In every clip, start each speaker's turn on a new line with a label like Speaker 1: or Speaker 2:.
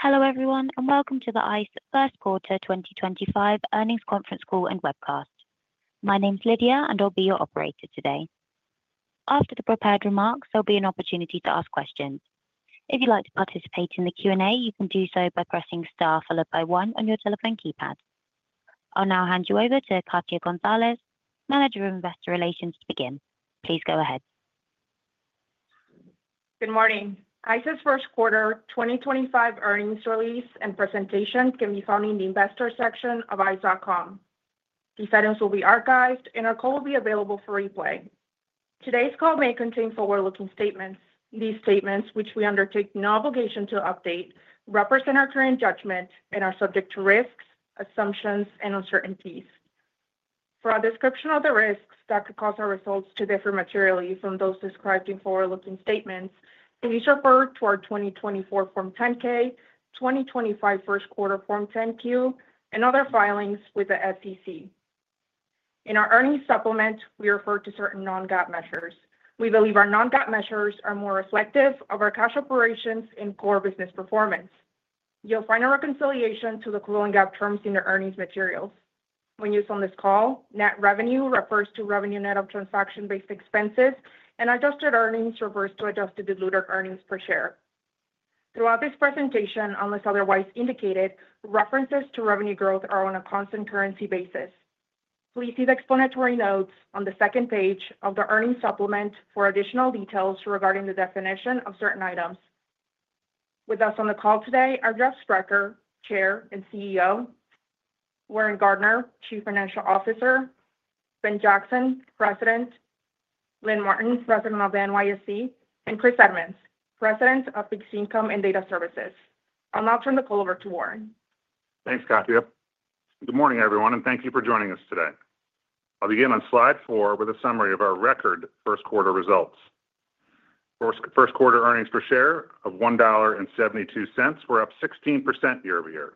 Speaker 1: Hello everyone, and welcome to the ICE First Quarter 2025 Earnings Conference Call and Webcast. My name's Lydia, and I'll be your operator today. After the prepared remarks, there'll be an opportunity to ask questions. If you'd like to participate in the Q&A, you can do so by pressing Star followed by one on your telephone keypad. I'll now hand you over to Katia Gonzalez, Manager of Investor Relations, to begin. Please go ahead.
Speaker 2: Good morning. ICE's First Quarter 2025 earnings release and presentation can be found in the Investor section of https://www.ice.com. These items will be archived, and our call will be available for replay. Today's call may contain forward-looking statements. These statements, which we undertake no obligation to update, represent our current judgment and are subject to risks, assumptions, and uncertainties. For our description of the risks that could cause our results to differ materially from those described in forward-looking statements, please refer to our 2024 Form 10-K, 2025 First Quarter Form 10-Q, and other filings with the SEC. In our earnings supplement, we refer to certain non-GAAP measures. We believe our non-GAAP measures are more reflective of our cash operations and core business performance. You'll find a reconciliation to the cooling gap terms in the earnings materials. When used on this call, net revenue refers to revenue net of transaction-based expenses, and adjusted earnings refers to adjusted diluted earnings per share. Throughout this presentation, unless otherwise indicated, references to revenue growth are on a constant currency basis. Please see the explanatory notes on the second page of the earnings supplement for additional details regarding the definition of certain items. With us on the call today are Jeff Sprecher, Chair and CEO, Warren Gardiner, Chief Financial Officer, Ben Jackson, President, Lynn Martin, President of NYSE, and Chris Edmonds, President of Fixed Income and Data Services. I'll now turn the call over to Warren.
Speaker 3: Thanks, Katia. Good morning, everyone, and thank you for joining us today. I'll begin on slide four with a summary of our record first quarter results. First quarter earnings per share of $1.72 were up 16% year over year.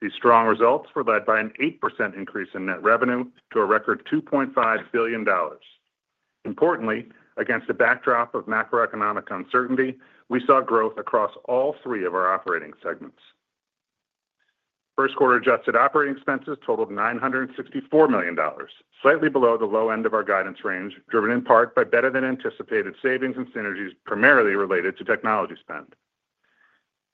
Speaker 3: These strong results were led by an 8% increase in net revenue to a record $2.5 billion. Importantly, against the backdrop of macroeconomic uncertainty, we saw growth across all three of our operating segments. First quarter adjusted operating expenses totaled $964 million, slightly below the low end of our guidance range, driven in part by better-than-anticipated savings and synergies primarily related to technology spend.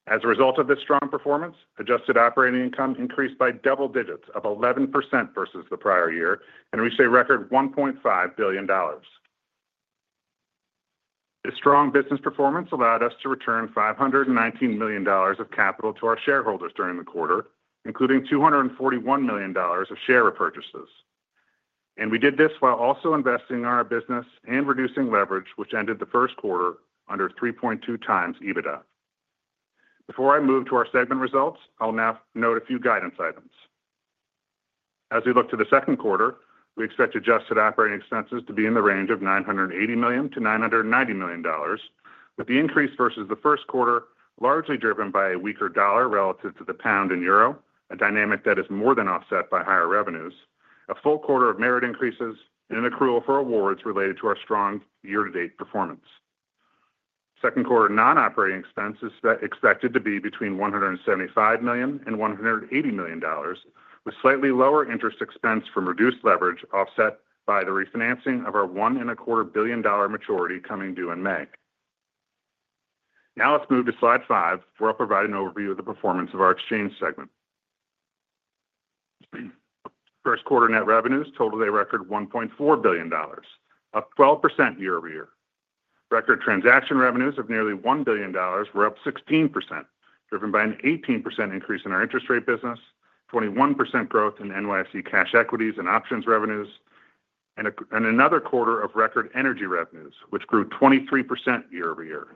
Speaker 3: As a result of this strong performance, adjusted operating income increased by double digits of 11% versus the prior year, and we saw a record $1.5 billion. This strong business performance allowed us to return $519 million of capital to our shareholders during the quarter, including $241 million of share repurchases. And we did this while also investing in our business and reducing leverage, which ended the first quarter under 3.2 times EBITDA. Before I move to our segment results, I'll now note a few guidance items. As we look to the second quarter, we expect adjusted operating expenses to be in the range of $980 million-$990 million, with the increase versus the first quarter largely driven by a weaker dollar relative to the Pound and Euro, a dynamic that is more than offset by higher revenues, a full quarter of merit increases, and an accrual for awards related to our strong year-to-date performance. Second quarter non-operating expenses expected to be between $175 million and $180 million, with slightly lower interest expense from reduced leverage offset by the refinancing of our $1.25 billion maturity coming due in May. Now let's move to slide five, where I'll provide an overview of the performance of our exchange segment. First quarter net revenues totaled a record $1.4 billion, up 12% year over year. Record transaction revenues of nearly $1 billion were up 16%, driven by an 18% increase in our interest rate business, 21% growth in NYSE cash equities and options revenues, and another quarter of record energy revenues, which grew 23% year over year.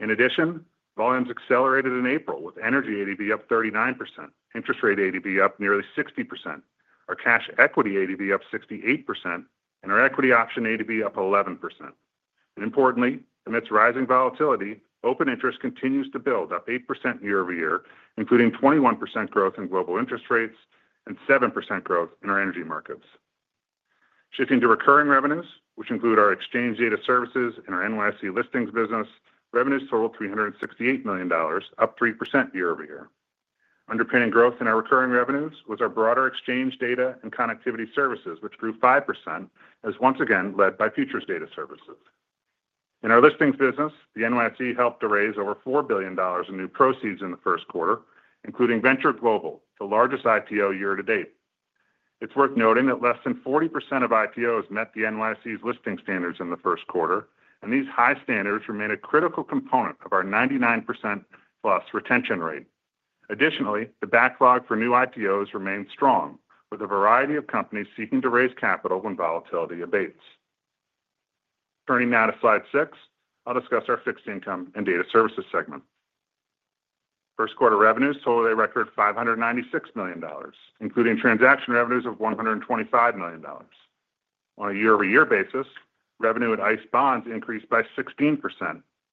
Speaker 3: In addition, volumes accelerated in April, with energy ADV up 39%, interest rate ADV up nearly 60%, our cash equity ADV up 68%, and our equity option ADV up 11%. Importantly, amidst rising volatility, open interest continues to build up 8% year over year, including 21% growth in global interest rates and 7% growth in our energy markets. Shifting to recurring revenues, which include our exchange data services and our NYSE listings business, revenues totaled $368 million, up 3% year over year. Underpinning growth in our recurring revenues was our broader exchange data and connectivity services, which grew 5%, as once again led by futures data services. In our listings business, the NYSE helped to raise over $4 billion in new proceeds in the first quarter, including Venture Global, the largest IPO year to date. It is worth noting that less than 40% of IPOs met the NYSE's listing standards in the first quarter, and these high standards remain a critical component of our 99% plus retention rate. Additionally, the backlog for new IPOs remained strong, with a variety of companies seeking to raise capital when volatility abates. Turning now to slide six, I'll discuss our fixed income and data services segment. First quarter revenues totaled a record $596 million, including transaction revenues of $125 million. On a year-over-year basis, revenue at ICE Bonds increased by 16%,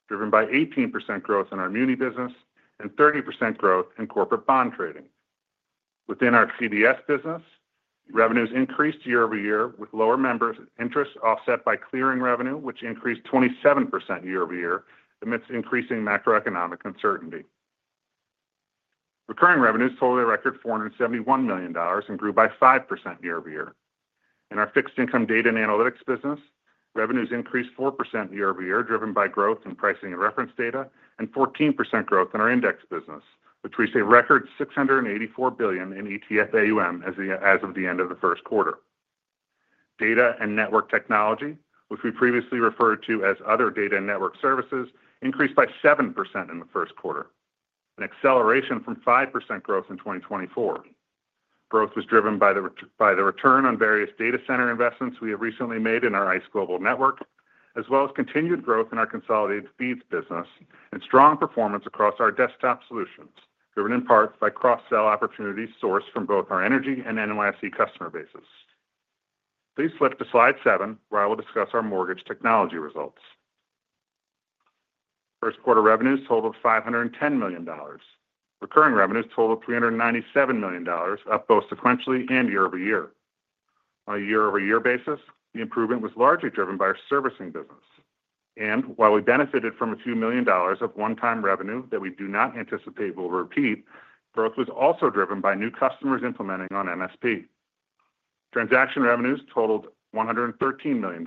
Speaker 3: driven by 18% growth in our muni business and 30% growth in corporate bond trading. Within our CDS business, revenues increased year over year with lower members' interest offset by clearing revenue, which increased 27% year over year amidst increasing macroeconomic uncertainty. Recurring revenues totaled a record $471 million and grew by 5% year over year. In our fixed income data and analytics business, revenues increased 4% year over year, driven by growth in pricing and reference data, and 14% growth in our index business, which we say record $684 billion in ETF AUM as of the end of the first quarter. Data and network technology, which we previously referred to as other data and network services, increased by 7% in the first quarter, an acceleration from 5% growth in 2024. Growth was driven by the return on various data center investments we have recently made in our ICE Global Network, as well as continued growth in our Consolidated Feeds business and strong performance across our desktop solutions, driven in part by cross-sell opportunities sourced from both our energy and NYSE customer bases. Please flip to slide seven, where I will discuss our mortgage technology results. First quarter revenues totaled $510 million. Recurring revenues totaled $397 million, up both sequentially and year over year. On a year-over-year basis, the improvement was largely driven by our servicing business. While we benefited from a few million dollars of one-time revenue that we do not anticipate we'll repeat, growth was also driven by new customers implementing on MSP. Transaction revenues totaled $113 million,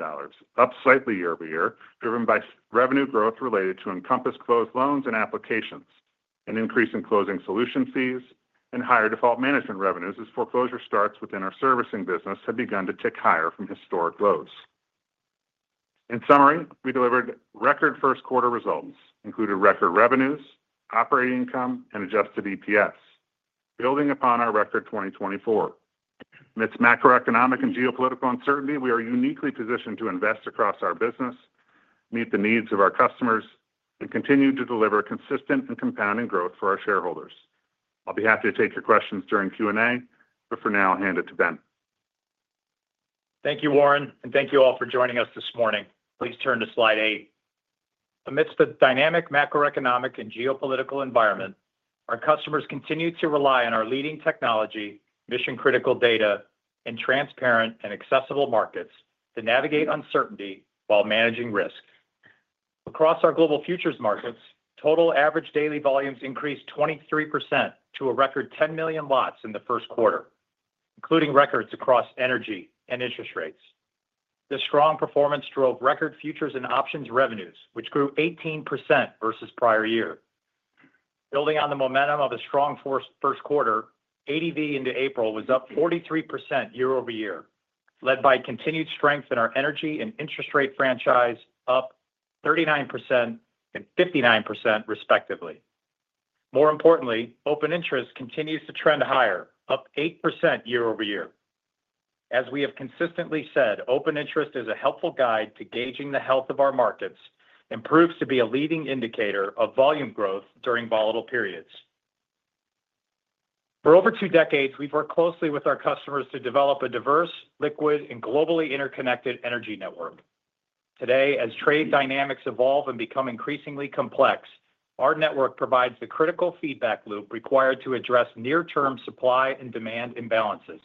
Speaker 3: up slightly year over year, driven by revenue growth related to Encompass closed loans and applications, an increase in closing solution fees, and higher default management revenues as foreclosure starts within our servicing business had begun to tick higher from historic lows. In summary, we delivered record first quarter results, included record revenues, operating income, and adjusted EPS, building upon our record 2024. Amidst macroeconomic and geopolitical uncertainty, we are uniquely positioned to invest across our business, meet the needs of our customers, and continue to deliver consistent and compounding growth for our shareholders. I'll be happy to take your questions during Q&A, but for now, I'll hand it to Ben.
Speaker 4: Thank you, Warren, and thank you all for joining us this morning. Please turn to slide eight. Amidst the dynamic macroeconomic and geopolitical environment, our customers continue to rely on our leading technology, mission-critical data, and transparent and accessible markets to navigate uncertainty while managing risk. Across our global futures markets, total average daily volumes increased 23% to a record 10 million lots in the first quarter, including records across energy and interest rates. This strong performance drove record futures and options revenues, which grew 18% versus prior year. Building on the momentum of a strong first quarter, ADV into April was up 43% year over year, led by continued strength in our energy and interest rate franchise, up 39% and 59% respectively. More importantly, open interest continues to trend higher, up 8% year over year. As we have consistently said, open interest is a helpful guide to gauging the health of our markets and proves to be a leading indicator of volume growth during volatile periods. For over two decades, we've worked closely with our customers to develop a diverse, liquid, and globally interconnected energy network. Today, as trade dynamics evolve and become increasingly complex, our network provides the critical feedback loop required to address near-term supply and demand imbalances,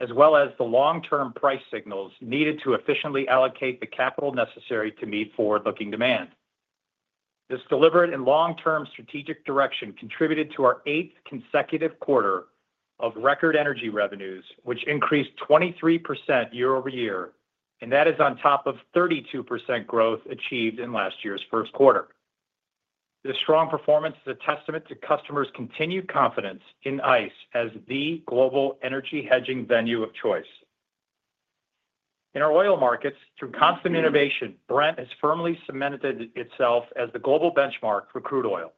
Speaker 4: as well as the long-term price signals needed to efficiently allocate the capital necessary to meet forward-looking demand. This delivered and long-term strategic direction contributed to our eighth consecutive quarter of record energy revenues, which increased 23% year over year, and that is on top of 32% growth achieved in last year's first quarter. This strong performance is a testament to customers' continued confidence in ICE as the global energy hedging venue of choice. In our oil markets, through constant innovation, Brent has firmly cemented itself as the global benchmark for crude oil,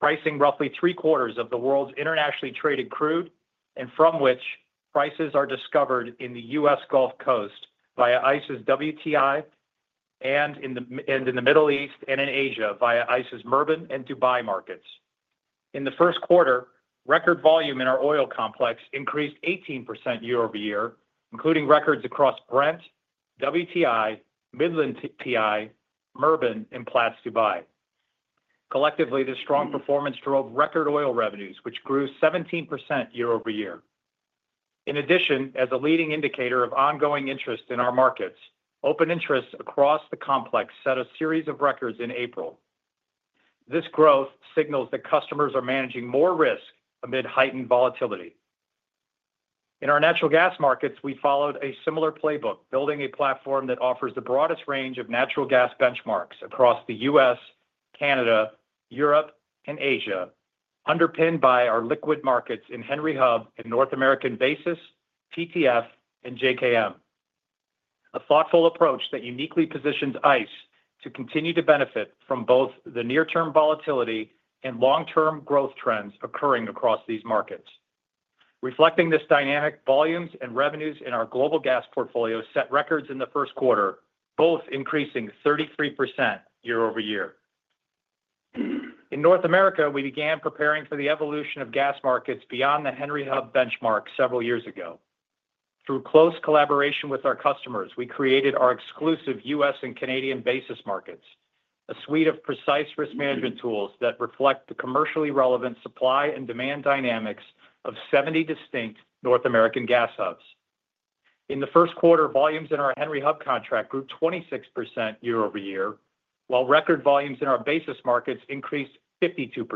Speaker 4: pricing roughly three-quarters of the world's internationally traded crude, and from which prices are discovered in the U.S. Gulf Coast via ICE's WTI and in the Middle East and in Asia via ICE's Murban and Dubai markets. In the first quarter, record volume in our oil complex increased 18% year over year, including records across Brent, WTI, Midland WTI, Murban, and Platts Dubai. Collectively, this strong performance drove record oil revenues, which grew 17% year over year. In addition, as a leading indicator of ongoing interest in our markets, open interest across the complex set a series of records in April. This growth signals that customers are managing more risk amid heightened volatility. In our natural gas markets, we followed a similar playbook, building a platform that offers the broadest range of natural gas benchmarks across the U.S., Canada, Europe, and Asia, underpinned by our liquid markets in Henry Hub and North American Basis, TTF, and JKM. A thoughtful approach that uniquely positions ICE to continue to benefit from both the near-term volatility and long-term growth trends occurring across these markets. Reflecting this dynamic, volumes and revenues in our global gas portfolio set records in the first quarter, both increasing 33% year over year. In North America, we began preparing for the evolution of gas markets beyond the Henry Hub benchmark several years ago. Through close collaboration with our customers, we created our exclusive U.S. and Canadian basis markets, a suite of precise risk management tools that reflect the commercially relevant supply and demand dynamics of 70 distinct North American gas hubs. In the first quarter, volumes in our Henry Hub contract grew 26% year over year, while record volumes in our basis markets increased 52%.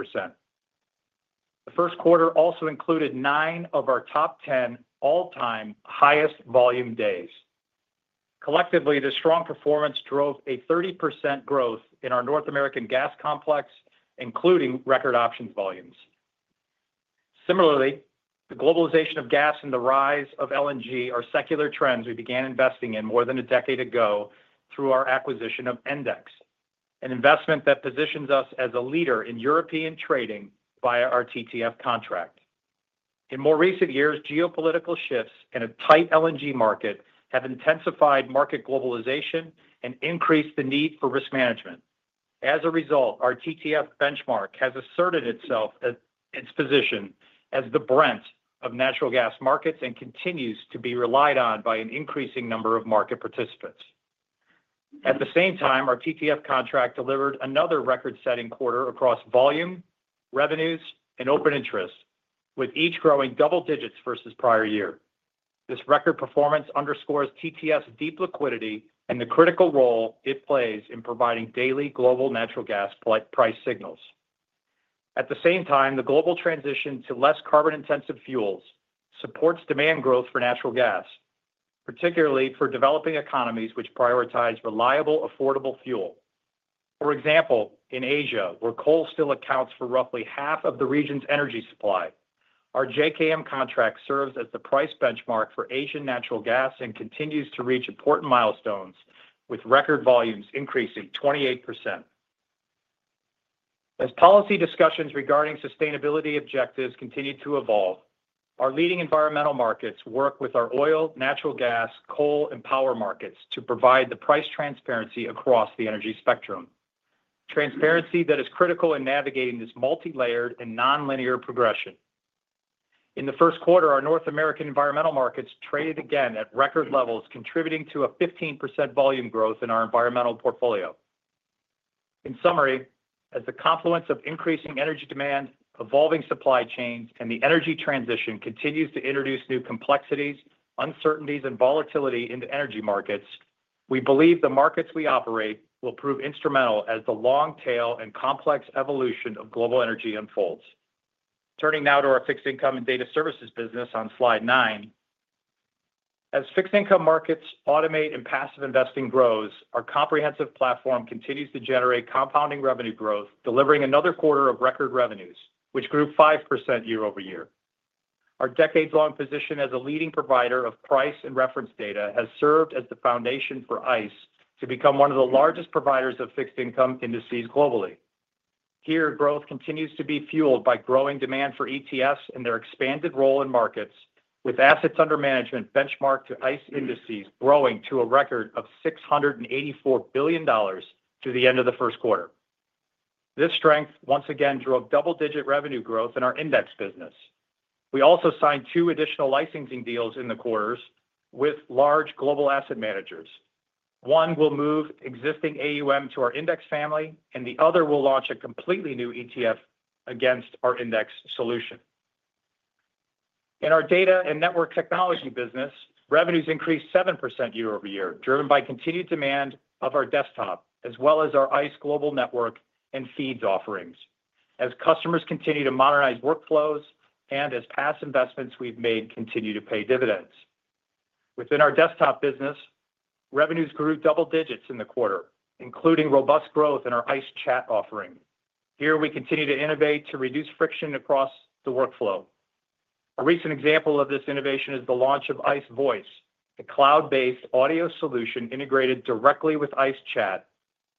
Speaker 4: The first quarter also included nine of our top 10 all-time highest volume days. Collectively, this strong performance drove a 30% growth in our North American gas complex, including record options volumes. Similarly, the globalization of gas and the rise of LNG are secular trends we began investing in more than a decade ago through our acquisition of Endex, an investment that positions us as a leader in European trading via our TTF contract. In more recent years, geopolitical shifts and a tight LNG market have intensified market globalization and increased the need for risk management. As a result, our TTF benchmark has asserted itself in its position as the Brent of natural gas markets and continues to be relied on by an increasing number of market participants. At the same time, our TTF contract delivered another record-setting quarter across volume, revenues, and open interest, with each growing double digits versus prior year. This record performance underscores TTF's deep liquidity and the critical role it plays in providing daily global natural gas price signals. At the same time, the global transition to less carbon-intensive fuels supports demand growth for natural gas, particularly for developing economies which prioritize reliable, affordable fuel. For example, in Asia, where coal still accounts for roughly half of the region's energy supply, our JKM contract serves as the price benchmark for Asian natural gas and continues to reach important milestones with record volumes increasing 28%. As policy discussions regarding sustainability objectives continue to evolve, our leading environmental markets work with our oil, natural gas, coal, and power markets to provide the price transparency across the energy spectrum, transparency that is critical in navigating this multi-layered and non-linear progression. In the first quarter, our North American environmental markets traded again at record levels, contributing to a 15% volume growth in our environmental portfolio. In summary, as the confluence of increasing energy demand, evolving supply chains, and the energy transition continues to introduce new complexities, uncertainties, and volatility into energy markets, we believe the markets we operate will prove instrumental as the long-tail and complex evolution of global energy unfolds. Turning now to our fixed income and data services business on slide nine, as fixed income markets automate and passive investing grows, our comprehensive platform continues to generate compounding revenue growth, delivering another quarter of record revenues, which grew 5% year over year. Our decades-long position as a leading provider of pricing and reference data has served as the foundation for ICE to become one of the largest providers of fixed income indices globally. Here, growth continues to be fueled by growing demand for ETFs and their expanded role in markets, with assets under management benchmarked to ICE indices growing to a record of $684 billion to the end of the first quarter. This strength once again drove double-digit revenue growth in our index business. We also signed two additional licensing deals in the quarter with large global asset managers. One will move existing AUM to our index family, and the other will launch a completely new ETF against our index solution. In our data and network technology business, revenues increased 7% year over year, driven by continued demand of our desktop, as well as our ICE Global Network and feeds offerings, as customers continue to modernize workflows and as past investments we've made continue to pay dividends. Within our desktop business, revenues grew double digits in the quarter, including robust growth in our ICE Chat offering. Here, we continue to innovate to reduce friction across the workflow. A recent example of this innovation is the launch of ICE Voice, a cloud-based audio solution integrated directly with ICE Chat,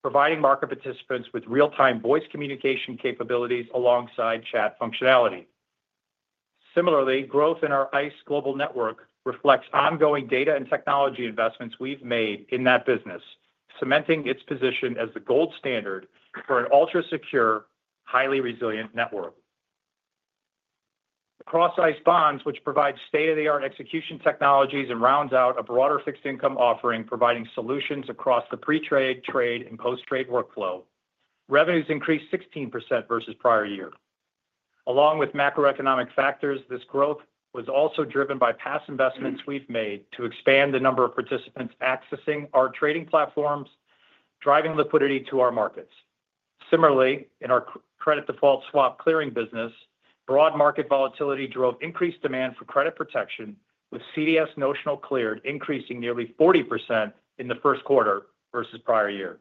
Speaker 4: providing market participants with real-time voice communication capabilities alongside chat functionality. Similarly, growth in our ICE Global Network reflects ongoing data and technology investments we've made in that business, cementing its position as the gold standard for an ultra-secure, highly resilient network. Across ICE Bonds, which provides state-of-the-art execution technologies and rounds out a broader fixed income offering providing solutions across the pre-trade, trade, and post-trade workflow, revenues increased 16% versus prior year. Along with macroeconomic factors, this growth was also driven by past investments we've made to expand the number of participants accessing our trading platforms, driving liquidity to our markets. Similarly, in our credit default swap clearing business, broad market volatility drove increased demand for credit protection, with CDS notional cleared increasing nearly 40% in the first quarter versus prior year.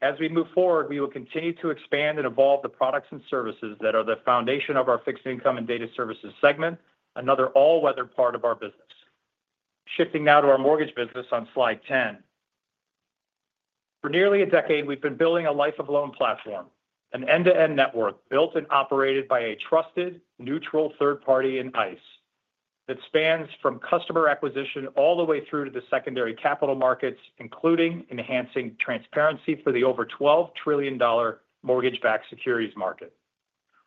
Speaker 4: As we move forward, we will continue to expand and evolve the products and services that are the foundation of our fixed income and data services segment, another all-weather part of our business. Shifting now to our mortgage business on slide 10. For nearly a decade, we've been building a life-of-loan platform, an end-to-end network built and operated by a trusted, neutral third party in ICE that spans from customer acquisition all the way through to the secondary capital markets, including enhancing transparency for the over $12 trillion mortgage-backed securities market.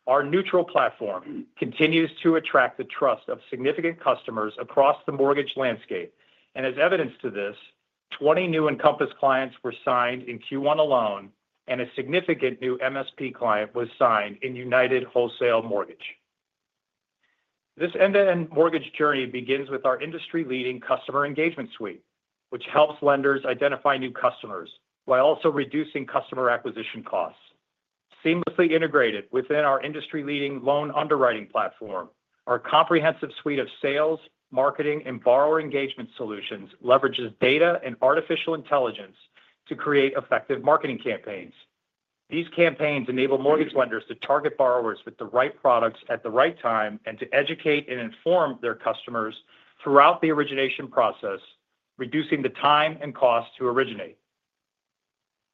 Speaker 4: Our neutral platform continues to attract the trust of significant customers across the mortgage landscape, and as evidence to this, 20 new Encompass clients were signed in Q1 alone, and a significant new MSP client was signed in United Wholesale Mortgage. This end-to-end mortgage journey begins with our industry-leading customer engagement suite, which helps lenders identify new customers while also reducing customer acquisition costs. Seamlessly integrated within our industry-leading loan underwriting platform, our comprehensive suite of sales, marketing, and borrower engagement solutions leverages data and artificial intelligence to create effective marketing campaigns. These campaigns enable mortgage lenders to target borrowers with the right products at the right time and to educate and inform their customers throughout the origination process, reducing the time and cost to originate.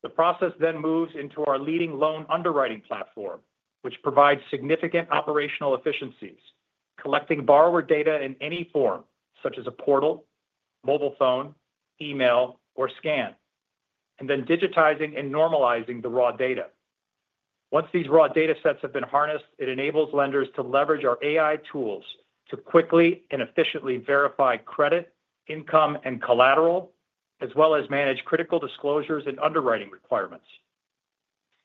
Speaker 4: The process then moves into our leading loan underwriting platform, which provides significant operational efficiencies, collecting borrower data in any form, such as a portal, mobile phone, email, or scan, and then digitizing and normalizing the raw data. Once these raw data sets have been harnessed, it enables lenders to leverage our AI tools to quickly and efficiently verify credit, income, and collateral, as well as manage critical disclosures and underwriting requirements.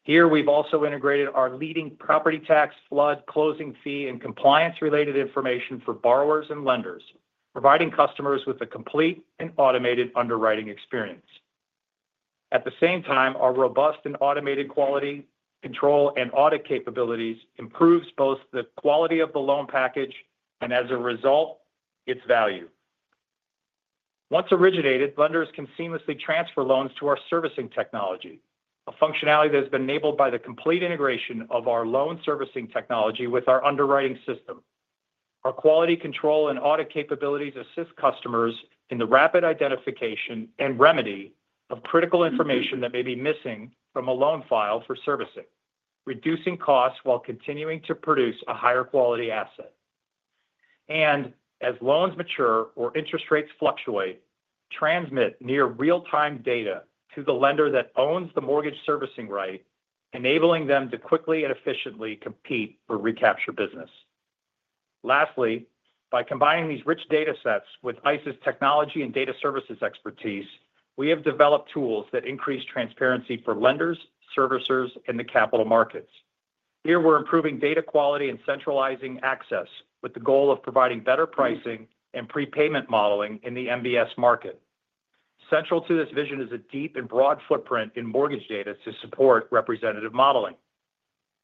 Speaker 4: Here, we've also integrated our leading property tax, flood, closing fee, and compliance-related information for borrowers and lenders, providing customers with a complete and automated underwriting experience. At the same time, our robust and automated quality control and audit capabilities improve both the quality of the loan package and, as a result, its value. Once originated, lenders can seamlessly transfer loans to our servicing technology, a functionality that has been enabled by the complete integration of our loan servicing technology with our underwriting system. Our quality control and audit capabilities assist customers in the rapid identification and remedy of critical information that may be missing from a loan file for servicing, reducing costs while continuing to produce a higher quality asset. And as loans mature or interest rates fluctuate, transmit near real-time data to the lender that owns the mortgage servicing right, enabling them to quickly and efficiently compete for recapture business. Lastly, by combining these rich data sets with ICE's technology and data services expertise, we have developed tools that increase transparency for lenders, servicers, and the capital markets. Here, we're improving data quality and centralizing access with the goal of providing better pricing and prepayment modeling in the MBS market. Central to this vision is a deep and broad footprint in mortgage data to support representative modeling.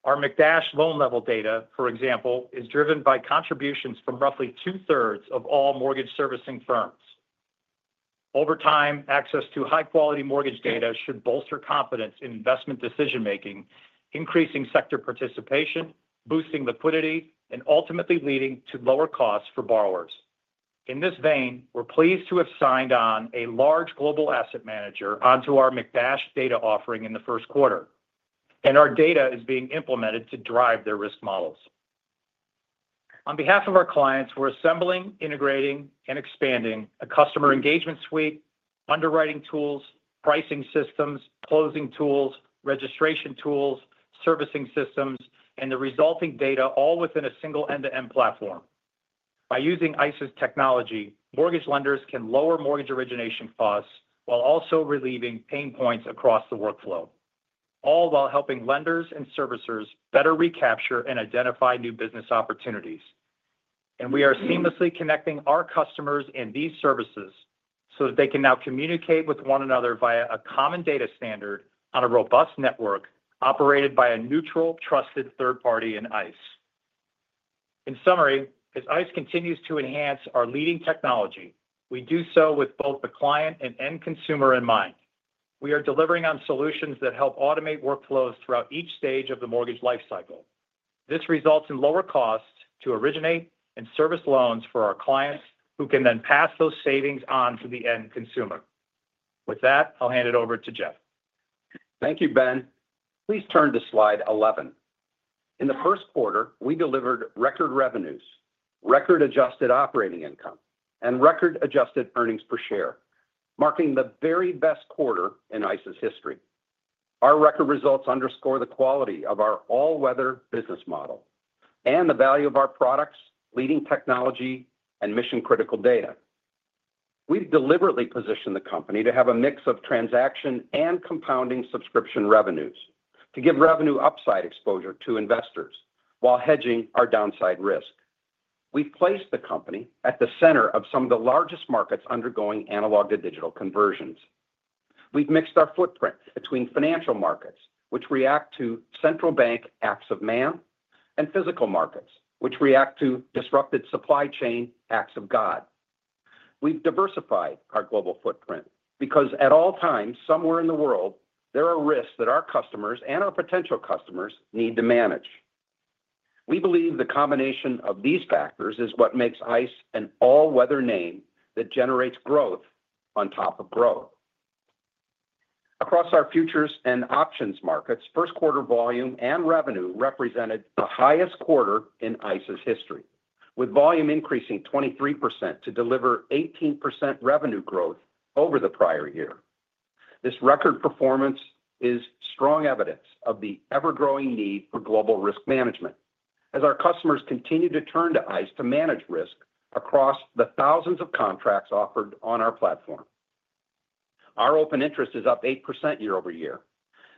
Speaker 4: Our McDash loan-level data, for example, is driven by contributions from roughly two-thirds of all mortgage servicing firms. Over time, access to high-quality mortgage data should bolster confidence in investment decision-making, increasing sector participation, boosting liquidity, and ultimately leading to lower costs for borrowers. In this vein, we're pleased to have signed on a large global asset manager onto our McDash data offering in the first quarter, and our data is being implemented to drive their risk models. On behalf of our clients, we're assembling, integrating, and expanding a customer engagement suite, underwriting tools, pricing systems, closing tools, registration tools, servicing systems, and the resulting data all within a single end-to-end platform. By using ICE's technology, mortgage lenders can lower mortgage origination costs while also relieving pain points across the workflow, all while helping lenders and servicers better recapture and identify new business opportunities. And we are seamlessly connecting our customers and these services so that they can now communicate with one another via a common data standard on a robust network operated by a neutral, trusted third party in ICE. In summary, as ICE continues to enhance our leading technology, we do so with both the client and end consumer in mind. We are delivering on solutions that help automate workflows throughout each stage of the mortgage life cycle. This results in lower costs to originate and service loans for our clients, who can then pass those savings on to the end consumer. With that, I'll hand it over to Jeff.
Speaker 5: Thank you, Ben. Please turn to slide 11. In the first quarter, we delivered record revenues, record-adjusted operating income, and record-adjusted earnings per share, marking the very best quarter in ICE's history. Our record results underscore the quality of our all-weather business model and the value of our products, leading technology, and mission-critical data. We've deliberately positioned the company to have a mix of transaction and compounding subscription revenues to give revenue upside exposure to investors while hedging our downside risk. We've placed the company at the center of some of the largest markets undergoing analog-to-digital conversions. We've mixed our footprint between financial markets, which react to central bank acts of man, and physical markets, which react to disrupted supply chain acts of God. We've diversified our global footprint because at all times, somewhere in the world, there are risks that our customers and our potential customers need to manage. We believe the combination of these factors is what makes ICE an all-weather name that generates growth on top of growth. Across our futures and options markets, first-quarter volume and revenue represented the highest quarter in ICE's history, with volume increasing 23% to deliver 18% revenue growth over the prior year. This record performance is strong evidence of the ever-growing need for global risk management as our customers continue to turn to ICE to manage risk across the thousands of contracts offered on our platform. Our open interest is up 8% year over year.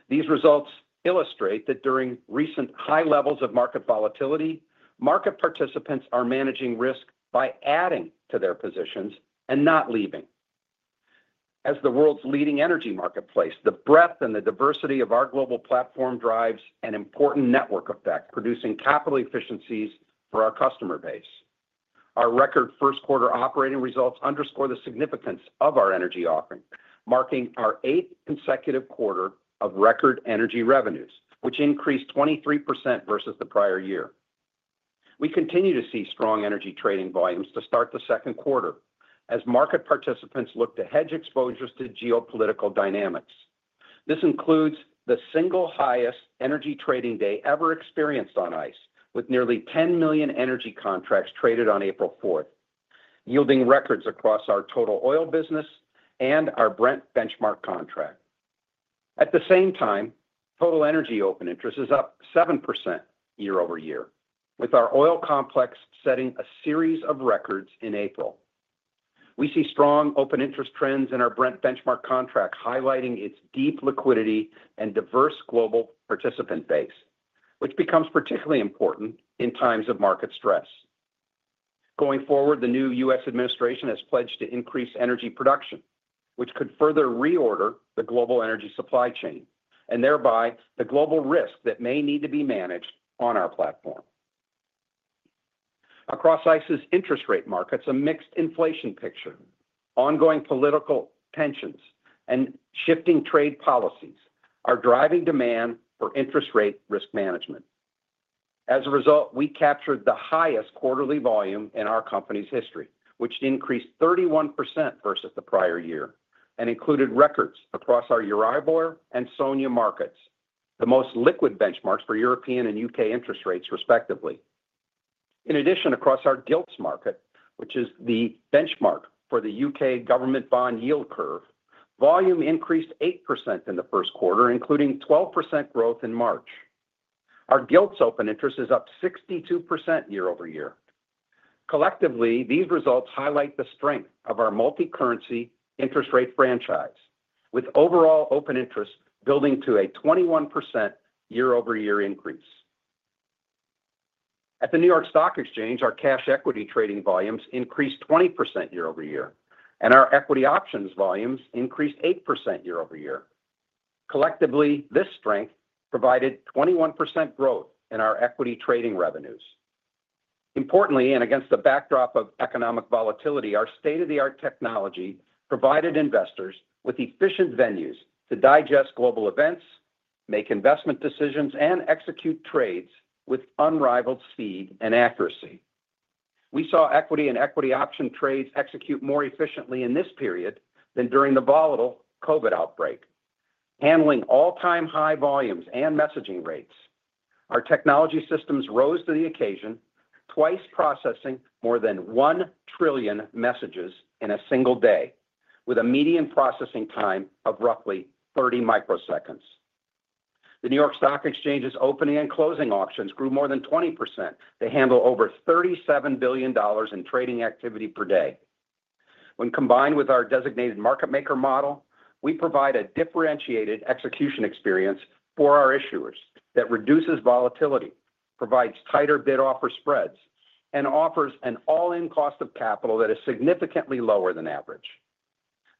Speaker 5: These results illustrate that during recent high levels of market volatility, market participants are managing risk by adding to their positions and not leaving. As the world's leading energy marketplace, the breadth and the diversity of our global platform drives an important network effect, producing capital efficiencies for our customer base. Our record first-quarter operating results underscore the significance of our energy offering, marking our eighth consecutive quarter of record energy revenues, which increased 23% versus the prior year. We continue to see strong energy trading volumes to start the second quarter as market participants look to hedge exposures to geopolitical dynamics. This includes the single highest energy trading day ever experienced on ICE, with nearly 10 million energy contracts traded on April 4, yielding records across our total oil business and our Brent benchmark contract. At the same time, total energy open interest is up 7% year over year, with our oil complex setting a series of records in April. We see strong open interest trends in our Brent benchmark contract, highlighting its deep liquidity and diverse global participant base, which becomes particularly important in times of market stress. Going forward, the new U.S. Administration has pledged to increase energy production, which could further reorder the global energy supply chain and thereby the global risk that may need to be managed on our platform. Across ICE's interest rate markets, a mixed inflation picture, ongoing political tensions, and shifting trade policies are driving demand for interest rate risk management. As a result, we captured the highest quarterly volume in our company's history, which increased 31% versus the prior year and included records across our Euribor and Sonia markets, the most liquid benchmarks for European and U.K. interest rates, respectively. In addition, across our Gilts market, which is the benchmark for the U.K. government bond yield curve, volume increased 8% in the first quarter, including 12% growth in March. Our Gilts open interest is up 62% year over year. Collectively, these results highlight the strength of our multi-currency interest rate franchise, with overall open interest building to a 21% year-over-year increase. At the New York Stock Exchange, our cash equity trading volumes increased 20% year-over-year, and our equity options volumes increased 8% year-over-year. Collectively, this strength provided 21% growth in our equity trading revenues. Importantly, and against the backdrop of economic volatility, our state-of-the-art technology provided investors with efficient venues to digest global events, make investment decisions, and execute trades with unrivaled speed and accuracy. We saw equity and equity option trades execute more efficiently in this period than during the volatile COVID outbreak, handling all-time high volumes and messaging rates. Our technology systems rose to the occasion, twice processing more than 1 trillion messages in a single day, with a median processing time of roughly 30 microseconds. The New York Stock Exchange's opening and closing auctions grew more than 20% to handle over $37 billion in trading activity per day. When combined with our designated market maker model, we provide a differentiated execution experience for our issuers that reduces volatility, provides tighter bid-offer spreads, and offers an all-in cost of capital that is significantly lower than average.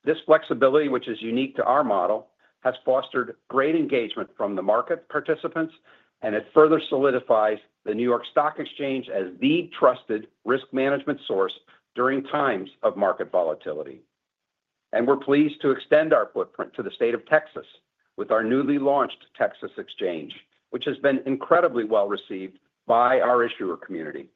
Speaker 5: This flexibility, which is unique to our model, has fostered great engagement from the market participants, and it further solidifies the New York Stock Exchange as the trusted risk management source during times of market volatility. And we are pleased to extend our footprint to the state of Texas with our newly launched Texas Exchange, which has been incredibly well received by our issuer community.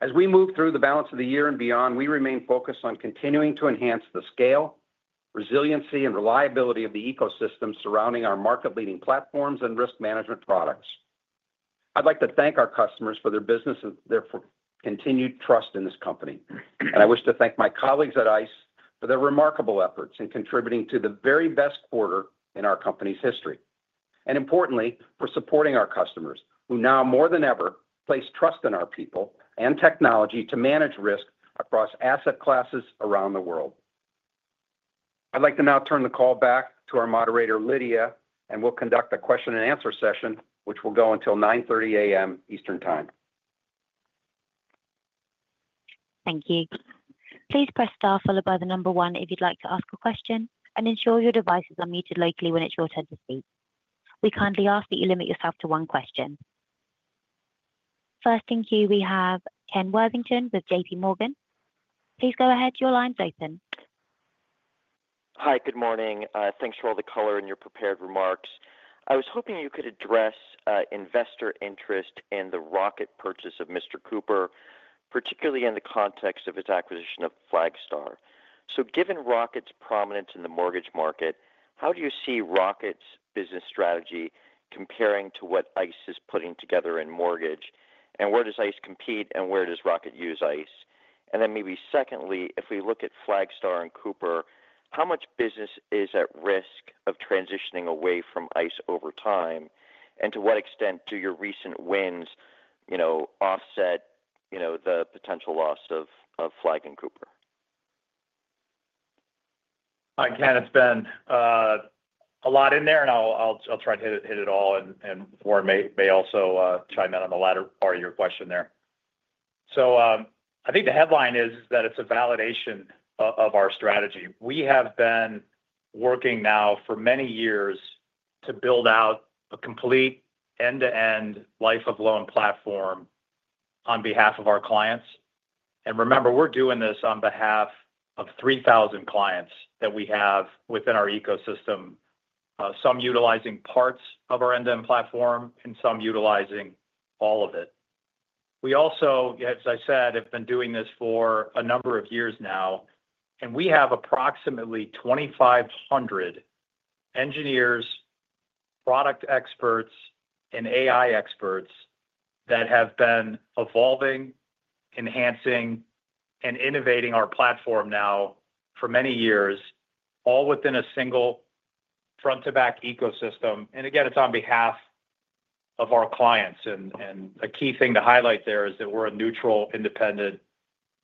Speaker 5: As we move through the balance of the year and beyond, we remain focused on continuing to enhance the scale, resiliency, and reliability of the ecosystem surrounding our market-leading platforms and risk management products. I would like to thank our customers for their business and their continued trust in this company. I wish to thank my colleagues at ICE for their remarkable efforts in contributing to the very best quarter in our company's history. And importantly, for supporting our customers, who now more than ever place trust in our people and technology to manage risk across asset classes around the world. I would like to now turn the call back to our moderator, Lydia, and we will conduct a Q&A session, which will go until 9:30 A.M. Eastern Time.
Speaker 1: Thank you. Please press Star, followed by the number one if you'd like to ask a question, and ensure your devices are muted locally when it's your turn to speak. We kindly ask that you limit yourself to one question. First, thank you. We have Ken Worthington with JP Morgan. Please go ahead. Your line's open.
Speaker 6: Hi, good morning. Thanks for all the color and your prepared remarks. I was hoping you could address investor interest in the Rocket purchase of Mr. Cooper, particularly in the context of his acquisition of Flagstar. So given Rocket's prominence in the mortgage market, how do you see Rocket's business strategy comparing to what ICE is putting together in mortgage, and where does ICE compete, and where does Rocket use ICE? And then maybe secondly, if we look at Flagstar and Cooper, how much business is at risk of transitioning away from ICE over time, and to what extent do your recent wins you know offset you know the potential loss of Flag and Cooper?
Speaker 4: Hi, Ken. It's been a lot in there, and I'll try to hit it all, and Warren may also chime in on the latter part of your question there. So I think the headline is that it's a validation of our strategy. We have been working now for many years to build out a complete end-to-end life-of-loan platform on behalf of our clients. And remember, we're doing this on behalf of 3,000 clients that we have within our ecosystem, some utilizing parts of our end-to-end platform and some utilizing all of it. We also, as I said, have been doing this for a number of years now, and we have approximately 2,500 engineers, product experts, and AI experts that have been evolving, enhancing, and innovating our platform now for many years, all within a single front-to-back ecosystem. Again, it's on behalf of our clients. And and a key thing to highlight there is that we're a neutral, independent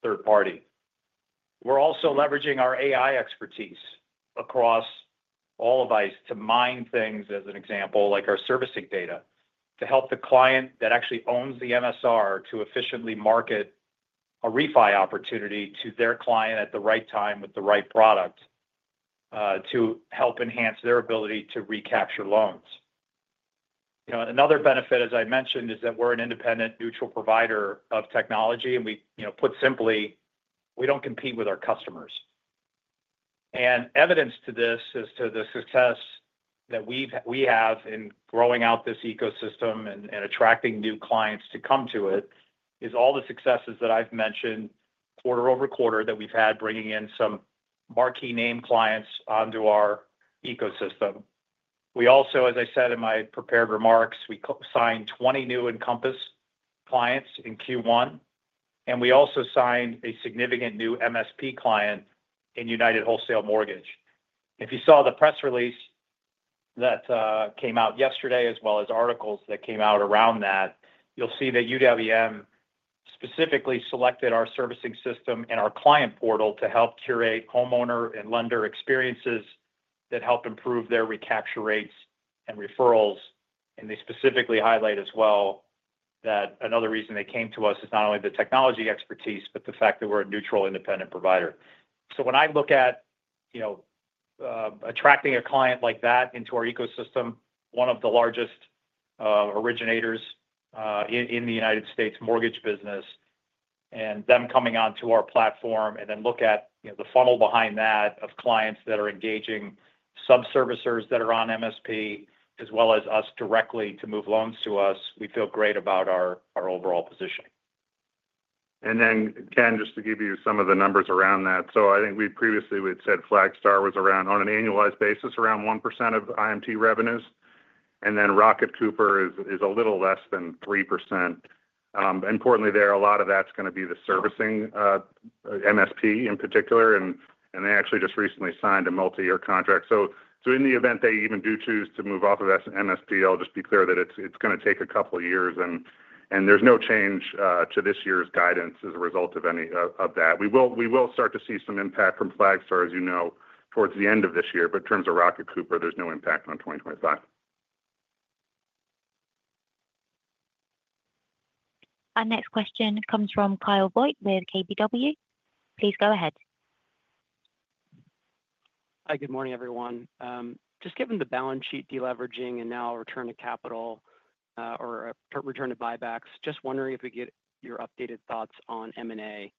Speaker 4: third party. We're also leveraging our AI expertise across all of ICE to mine things, as an example, like our servicing data, to help the client that actually owns the MSR to efficiently market a refi opportunity to their client at the right time with the right product to help enhance their ability to recapture loans. And another benefit, as I mentioned, is that we're an independent, neutral provider of technology. Put simply, we don't compete with our customers. And evidence to this is the success that that we have in growing out this ecosystem and attracting new clients to come to it, is all the successes that I've mentioned quarter over quarter that we've had bringing in some marquee name clients onto our ecosystem. We also, as I said in my prepared remarks, signed 20 new Encompass clients in Q1, and we also signed a significant new MSP client in United Wholesale Mortgage. If you saw the press release that came out yesterday, as well as articles that came out around that, you'll see that UWM specifically selected our servicing system and our client portal to help curate homeowner and lender experiences that help improve their recapture rates and referrals. They specifically highlight as well that another reason they came to us is not only the technology expertise, but the fact that we're a neutral, independent provider. So when I look at you know attracting a client like that into our ecosystem, one of the largest originators in the United States mortgage business, and them coming onto our platform, and then look at the funnel behind that of clients that are engaging sub-servicers that are on MSP, as well as us directly to move loans to us, we feel great about our overall position.
Speaker 3: And then Ken, just to give you some of the numbers around that. So I think we previously had said Flagstar was, on an annualized basis, around 1% of IMT revenues. And then Rocket Cooper is a little less than 3%. Importantly, there, a lot of that's going to be the servicing MSP in particular, and they actually just recently signed a multi-year contract. So in the event they even do choose to move off of MSP, I'll just be clear that it's going to take a couple of years, and and there's no change to this year's guidance as a result of that. We will start to see some impact from Flagstar, as you know, towards the end of this year, but in terms of Rocket Cooper, there's no impact on 2025.
Speaker 1: Our next question comes from Kyle Voigt with KBW. Please go ahead.
Speaker 7: Hi, good morning, everyone. Just given the balance sheet deleveraging and now return to capital or return to buybacks, just wondering if we could get your updated thoughts on M&A.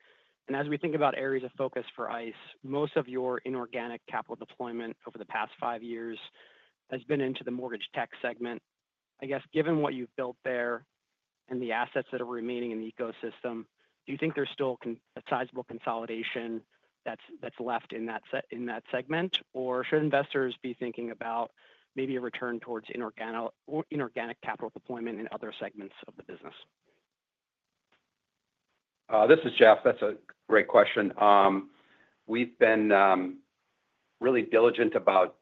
Speaker 7: As we think about areas of focus for ICE, most of your inorganic capital deployment over the past five years has been into the mortgage tech segment. I guess, given what you've built there and the assets that are remaining in the ecosystem, do you think there's still a sizable consolidation that's left in that in that segment, or should investors be thinking about maybe a return towards inorganic capital deployment in other segments of the business?
Speaker 5: This is Jeff. That's a great question. We've been really diligent about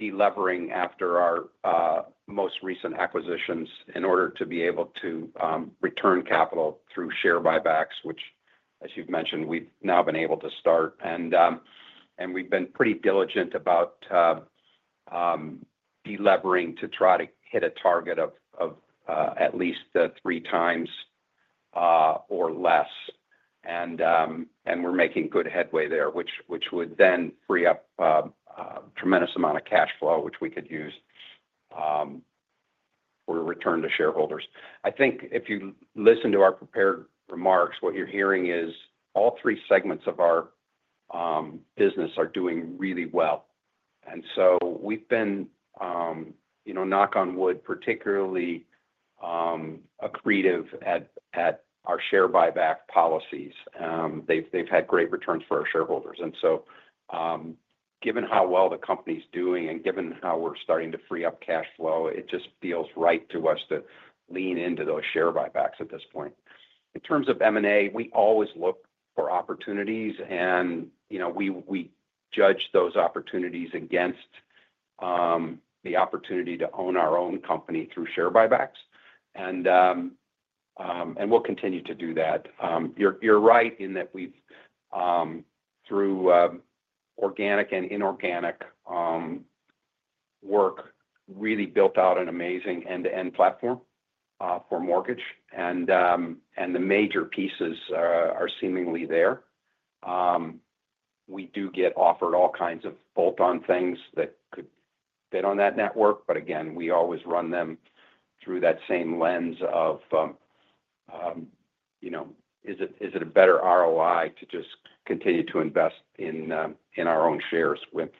Speaker 5: delevering after our most recent acquisitions in order to be able to return capital through share buybacks, which, as you've mentioned, we've now been able to start. And we've been pretty diligent about delevering to try to hit a target of of at least three times or less. And and we're making good headway there, which would then free up a tremendous amount of cash flow, which we could use for a return to shareholders. I think if you listen to our prepared remarks, what you're hearing is all three segments of our business are doing really well. And so we've been, you know knock on wood, particularly accretive at at our share buyback policies. They've had great returns for our shareholders. And so given how well the company's doing and given how we're starting to free up cash flow, it just feels right to us to lean into those share buybacks at this point. In terms of M&A, we always look for opportunities, and you know we we judge those opportunities against the opportunity to own our own company through share buybacks. And and we'll continue to do that. You're right in that we've, through organic and inorganic work, really built out an amazing end-to-end platform for mortgage, and and the major pieces are seemingly there. We do get offered all kinds of bolt-on things that could fit on that network, but again, we always run them through that same lens of of you know, is it a better ROI to just continue to invest in in our own shares with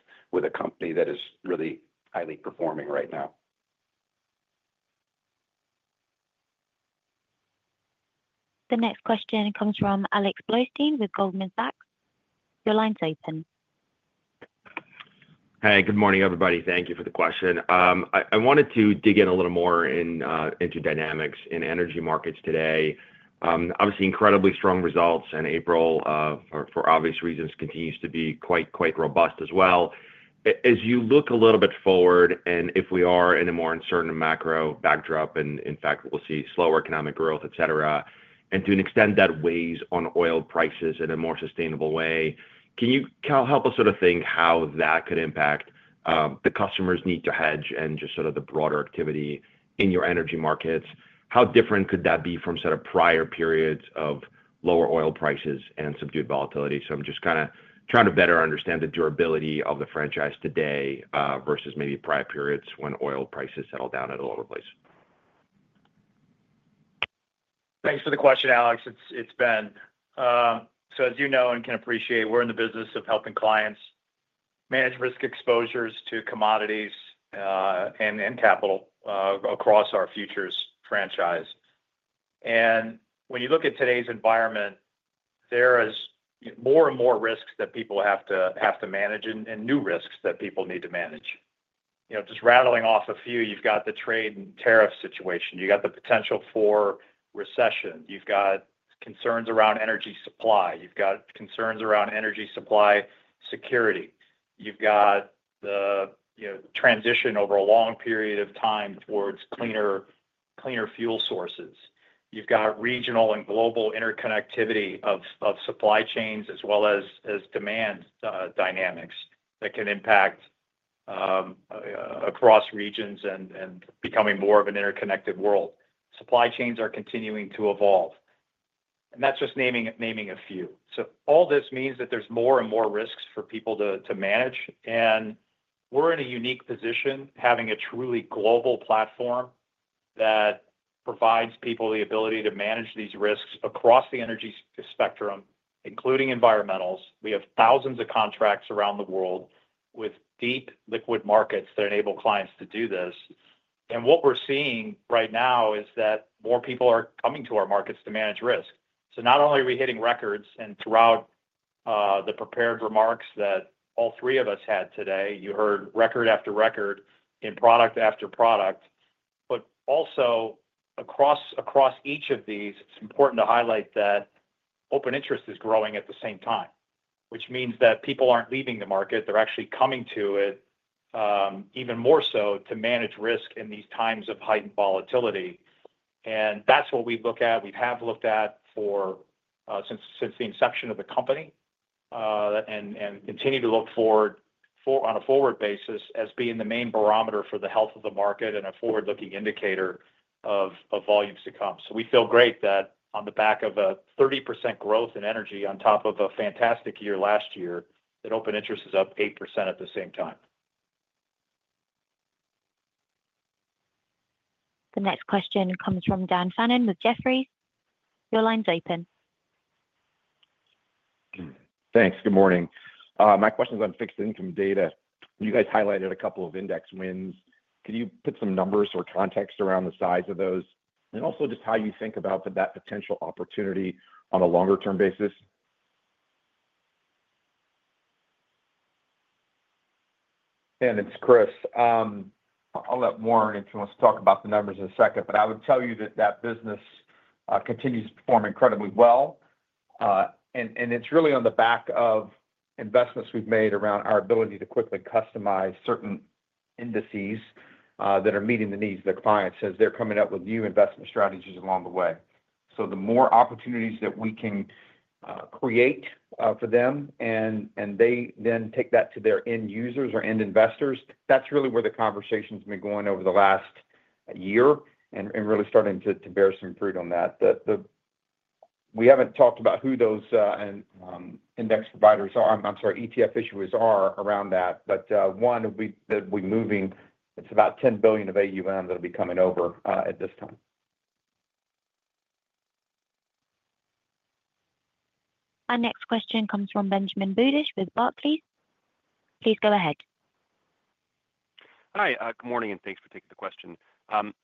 Speaker 5: a company that is really highly performing right now.
Speaker 1: The next question comes from Alex Blostein with Goldman Sachs. Your line's open.
Speaker 8: Hi, good morning, everybody. Thank you for the question. I wanted to dig in a little more in into dynamics in energy markets today. Obviously, incredibly strong results in April, for obvious reasons, continues to be quite robust as well. As you look a little bit forward, and if we are in a more uncertain macro backdrop, and in fact, we'll see slower economic growth, etc., and to an extent that weighs on oil prices in a more sustainable way, do you can help us sort of think how that could impact the customer's need to hedge and just sort of the broader activity in your energy markets? How different could that be from sort of prior periods of lower oil prices and subdued volatility? I am just kind of trying to better understand the durability of the franchise today versus maybe prior periods when oil prices settled down at a lower price.
Speaker 4: Thanks for the question, Alex. So as you know and can appreciate, we're in the business of helping clients manage risk exposures to commodities and and capital across our futures franchise. And when you look at today's environment, there are more and more risks that people have to manage and new risks that people need to manage. Just rattling off a few, you've got the trade and tariff situation. You've got the potential for recession. You've got concerns around energy supply. You've got concerns around energy supply security. You've you know got the transition over a long period of time towards cleaner fuel sources. You've got regional and global interconnectivity of of supply chains as well as demand dynamics that can impact across regions and and becoming more of an interconnected world. Supply chains are continuing to evolve. And that's just naming naming a few. So all this means that there's more and more risks for people to manage. And we're in a unique position having a truly global platform that provides people the ability to manage these risks across the energy spectrum, including environmentals. We have thousands of contracts around the world with deep liquid markets that enable clients to do this. And what we're seeing right now is that more people are coming to our markets to manage risk. Not only are we hitting records and throughout the prepared remarks that all three of us had today, you heard record after record in product after product, but also across across each of these, it's important to highlight that open interest is growing at the same time, which means that people aren't leaving the market. They're actually coming to it even more so to manage risk in these times of heightened volatility. And that's what we've looked at. We have looked at for since since the inception of the company and and continue to look forward on a forward basis as being the main barometer for the health of the market and a forward-looking indicator of of volumes to come. So we feel great that on the back of a 30% growth in energy on top of a fantastic year last year, that open interest is up 8% at the same time.
Speaker 1: The next question comes from Dan Fannon with Jefferies. Your line's open.
Speaker 9: Thanks. Good morning. My question's on fixed income data. You guys highlighted a couple of index wins. Could you put some numbers or context around the size of those? Also just how you think about that potential opportunity on a longer-term basis?
Speaker 10: And it's Chris. I'll let Warren and Thomas talk about the numbers in a second, but I would tell you that that business continues to perform incredibly well. And and it's really on the back of investments we've made around our ability to quickly customize certain indices that are meeting the needs of their clients as they're coming up with new investment strategies along the way. So the more opportunities that we can create for them and and they then take that to their end users or end investors, that's really where the conversation's been going over the last year and and really starting to bear some fruit on that. We haven't talked about who those index providers are, I'm sorry, ETF issuers are around that, but one that will be moving, it's about $10 billion of AUM that will be coming over at this time.
Speaker 1: Our next question comes from Benjamin Budish with Barclays. Please go ahead.
Speaker 11: Hi, good morning, and thanks for taking the question. I want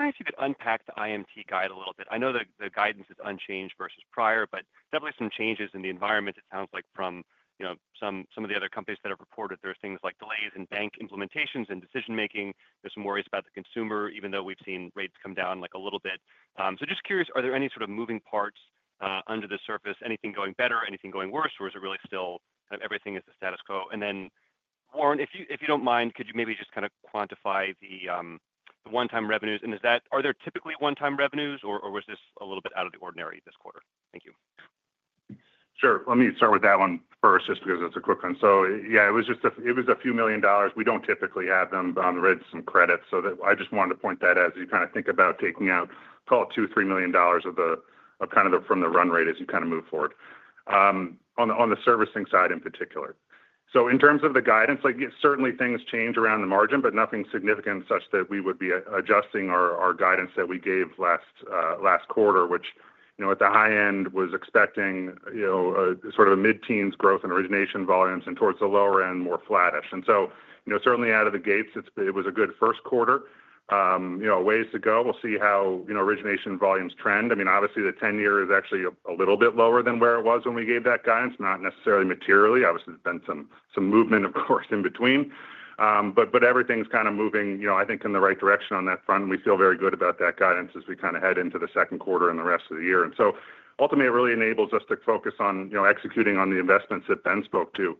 Speaker 11: to ask you to unpack the IMT guide a little bit. I know that the guidance is unchanged versus prior, but definitely some changes in the environment, it sounds like, from you know some some of the other companies that have reported. There's things like delays in bank implementations and decision-making. There's some worries about the consumer, even though we've seen rates come down a little bit. So just curious, are there any sort of moving parts under the surface? Anything going better? Anything going worse? Is it really still kind of everything is the status quo? And then Warren, if you if you don't mind, could you maybe just kind of quantify the the one-time revenues? And is that are there typically one-time revenues, or or was this a little bit out of the ordinary this quarter? Thank you.
Speaker 3: Sure. Let me start with that one first just because it's a quick one. So yeah, it was it was a few million dollars. We don't typically have them, but on the read some credit. So I just wanted to point that as you kind of think about taking out, call it $2 million-$3 million of of kind of from the run rate as you kind of move forward on on the servicing side in particular. So in terms of the guidance, certainly things change around the margin, but nothing significant such that we would be adjusting our our guidance that we gave last last quarter, which at the high end was expecting you know sort of mid-teens growth in origination volumes and towards the lower end, more flattish. And so certainly out of the gates, it was a good first quarter. Ways to go. We'll see how origination volumes trend. And I mean, obviously, the 10-year is actually a little bit lower than where it was when we gave that guidance, not necessarily materially. Obviously, there's been some some movement, of course, in between. But everything's kind of moving, you know I think, in the right direction on that front. We feel very good about that guidance as we kind of head into the second quarter and the rest of the year. And so ultimately, it really enables us to focus on executing on the investments that Ben spoke to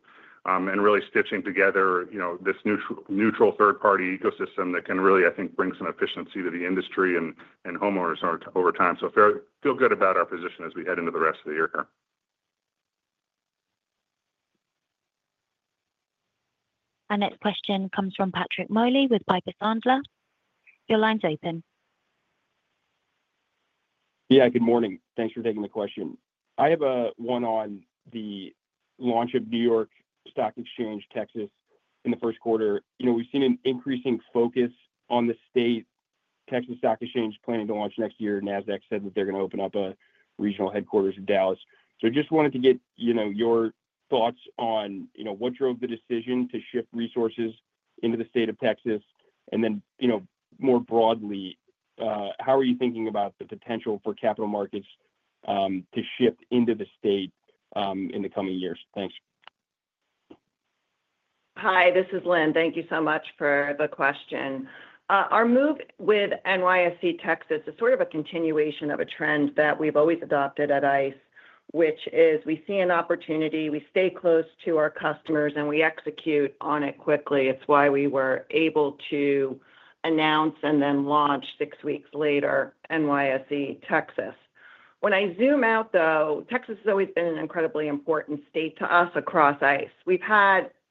Speaker 3: and really stitching together you know this neutral neutral third-party ecosystem that can really, I think, bring some efficiency to the industry and and homeowners over time. Feel good about our position as we head into the rest of the year.
Speaker 1: Our next question comes from Patrick Mowley with Piper Sandler. Your line's open.
Speaker 12: Yeah, good morning. Thanks for taking the question. I have one on the launch of New York Stock Exchange, Texas, in the first quarter. You know we've seen an increasing focus on the state Texas Stock Exchange planning to launch next year. Nasdaq said that they're going to open up a regional headquarters in Dallas. So just wanted to get you know your thoughts on what drove the decision to shift resources into the state of Texas. And then more broadly, how are you thinking about the potential for capital markets to shift into the state in the coming years? Thanks.
Speaker 13: Hi, this is Lynn. Thank you so much for the question. Our move with NYSE Texas is sort of a continuation of a trend that we've always adopted at ICE, which is we see an opportunity, we stay close to our customers, and we execute on it quickly. It's why we were able to announce and then launch six weeks later NYSE Texas. When I zoom out, though, Texas has always been an incredibly important state to us across ICE. We've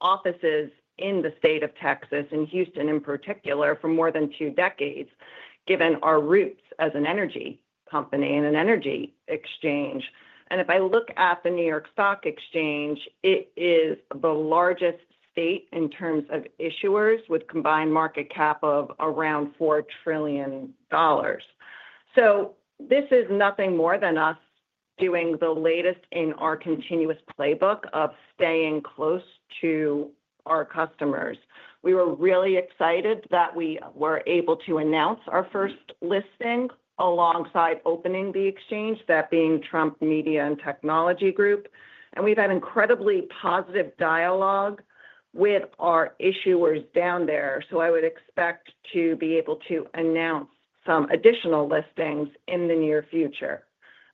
Speaker 13: had offices in the state of Texas and Houston in particular for more than two decades, given our roots as an energy company and an energy exchange. And if I look at the New York Stock Exchange, it is the largest state in terms of issuers with combined market cap of around $4 trillion. So this is nothing more than us doing the latest in our continuous playbook of staying close to our customers. We were really excited that we were able to announce our first listing alongside opening the exchange, that being Trump Media and Technology Group. We've had incredibly positive dialogue with our issuers down there. So I would expect to be able to announce some additional listings in the near future.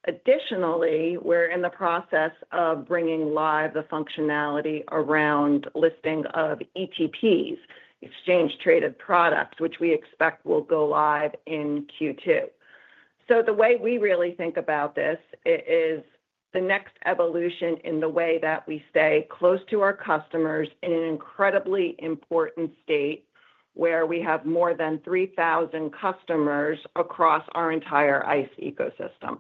Speaker 13: Additionally, we're in the process of bringing live the functionality around listing of ETPs, Exchange-Traded Products, which we expect will go live in Q2. So the way we really think about this it is the next evolution in the way that we stay close to our customers in an incredibly important state where we have more than 3,000 customers across our entire ICE ecosystem.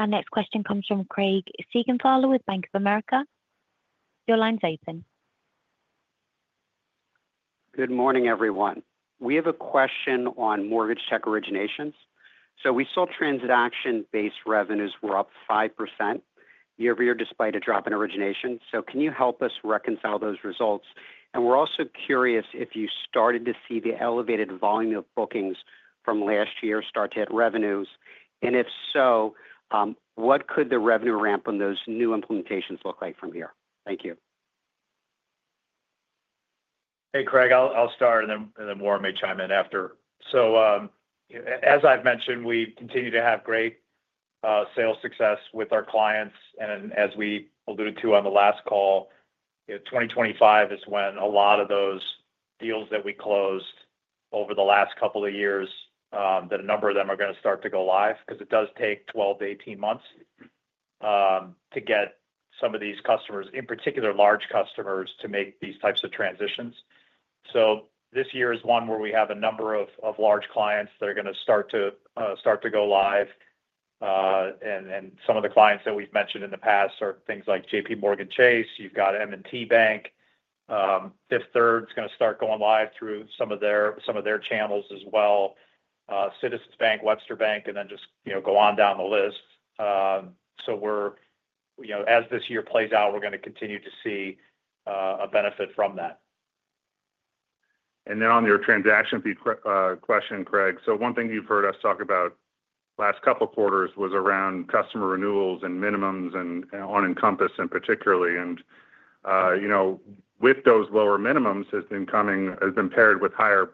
Speaker 1: Our next question comes from Craig Siegenthaler with Bank of America. Your line's open.
Speaker 14: Good morning, everyone. We have a question on mortgage tech originations. So we saw transaction-based revenues were up 5% year over year despite a drop in origination. So can you help us reconcile those results? And we're also curious if you started to see the elevated volume of bookings from last year start to hit revenues. And if so, what could the revenue ramp on those new implementations look like from here? Thank you.
Speaker 4: Hey, Craig, I'll start, and then Warren may chime in after. So as I've mentioned, we continue to have great sales success with our clients. And as we alluded to on the last call, 2025 is when a lot of those deals that we closed over the last couple of years, a number of them are going to start to go live because it does take 12 to 18 months to get some of these customers, in particular large customers, to make these types of transitions. So this year is one where we have a number of of large clients that are going to start start to go live. And and some of the clients that we've mentioned in the past are things like JP Morgan Chase. You've got M&T Bank. Fifth Third is going to start going live through some of their some of their channels as well. Citizens Bank, Webster Bank, and then just go on down the list. So we're as this year plays out, we're going to continue to see a benefit from that.
Speaker 3: On your transaction question, Craig, one thing you've heard us talk about last couple of quarters was around customer renewals and minimums and on Encompass in particular. You know with those lower minimums has been paired with higher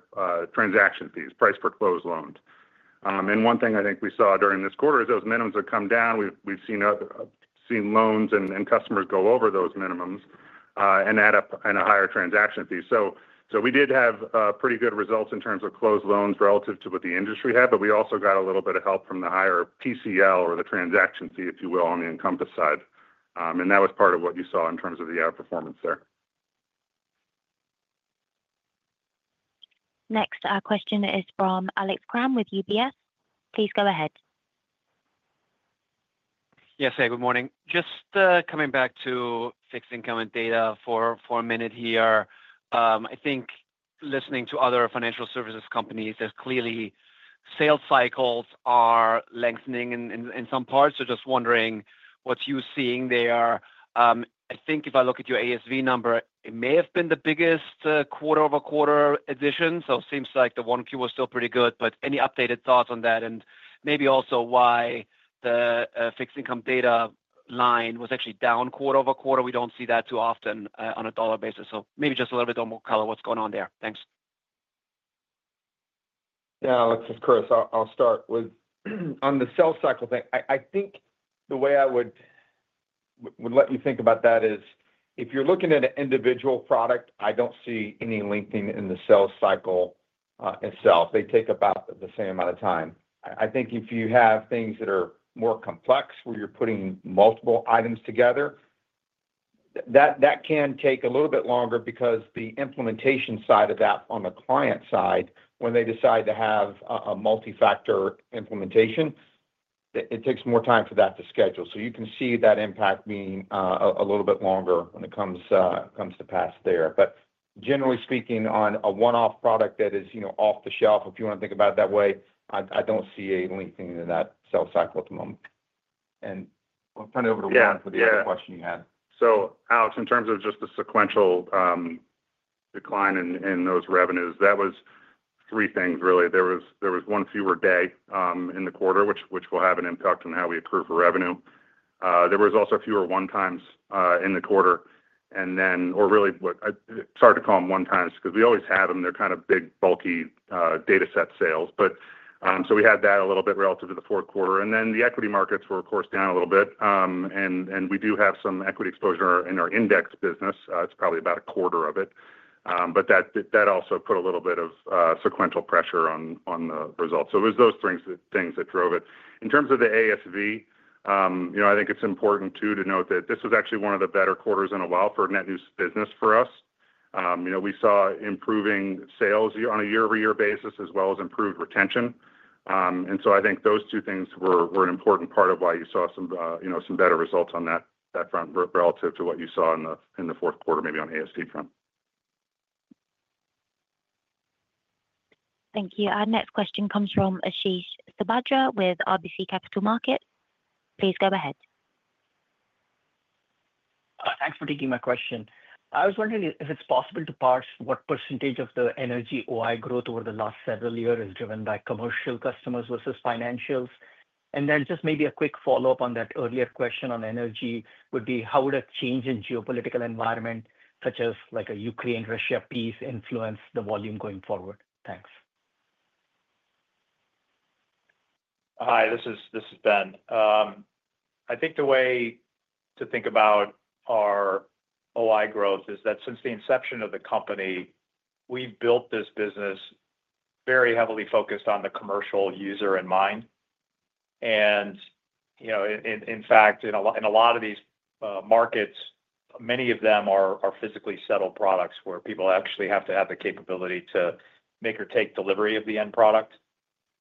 Speaker 3: transaction fees, price per close loans. One thing I think we saw during this quarter is those minimums have come down. We've seen seen loans and customers go over those minimums and add up in a higher transaction fee. So so we did have pretty good results in terms of close loans relative to what the industry had, but we also got a little bit of help from the higher TCL, or the transaction fee, if you will, on the Encompass side. And that was part of what you saw in terms of the outperformance there.
Speaker 1: Next question is from Alex Kramm with UBS. Please go ahead.
Speaker 15: Yes, hey, good morning. Just coming back to fixed income and data for for a minute here. I think listening to other financial services companies, there's clearly sales cycles are lengthening in in some parts. So just wondering what you're seeing there. I think if I look at your ASV number, it may have been the biggest quarter-over-quarter addition. So it seems like the one Q was still pretty good, but any updated thoughts on that and maybe also why the fixed income data line was actually down quarter-over-quarter? We do not see that too often on a dollar basis. So maybe just a little bit more color on what is going on there. Thanks.
Speaker 10: Yeah, Alex, it is Chris. I will start with on the sales cycle thing. I i think the way I would let you think about that is if you are looking at an individual product, I do not see any lengthening in the sales cycle itself. They take about the same amount of time. I think if you have things that are more complex where you're putting multiple items together, that that can take a little bit longer because the implementation side of that on the client side, when they decide to have a multi-factor implementation, it takes more time for that to schedule. So you can see that impact being a little bit longer when it comes to pass there. But generally speaking, on a one-off product that is off the shelf, if you want to think about it that way, I I don't see a lengthening of that sales cycle at the moment. And I'll turn it over to Warren for the other question you had.
Speaker 3: So Alex, in terms of just the sequential decline in those revenues, that was three things, really. There there was one fewer day in the quarter, which will have an impact on how we accrue for revenue. There was also fewer one-times in the quarter, and then or really, sorry to call them one-times because we always have them. They're kind of big, bulky data set sales. But so we had that a little bit relative to the fourth quarter. And then the equity markets were, of course, down a little bit. And and we do have some equity exposure in our index business. It's probably about a quarter of it. But that that also put a little bit of sequential pressure on on the results. So it was those things that drove it. In terms of the ASV, I think it's important too to note that this was actually one of the better quarters in a while for net news business for us. We saw improving sales on a year-over-year basis as well as improved retention. And so I think those two things were were an important part of why you saw you know some better results on that front relative to what you saw in the fourth quarter, maybe on ASV front.
Speaker 1: Thank you. Our next question comes from Ashish Sabadra with RBC Capital Markets. Please go ahead.
Speaker 16: Thanks for taking my question. I was wondering if it's possible to parse what percentage of the energy OI growth over the last several years is driven by commercial customers versus financials. And then just maybe a quick follow-up on that earlier question on energy would be, how would a change in geopolitical environment such as a Ukraine-Russia peace influence the volume going forward? Thanks.
Speaker 4: Hi, this is Ben. I think the way to think about our OI growth is that since the inception of the company, we've built this business very heavily focused on the commercial user in mind. And you know in in fact, in a in a lot of these markets, many of them are are physically settled products where people actually have to have the capability to make or take delivery of the end product.